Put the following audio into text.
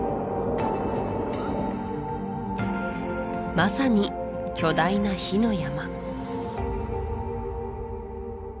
まさに巨大な火の山